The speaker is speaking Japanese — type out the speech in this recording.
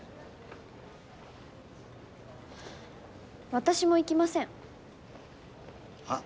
私も行きません。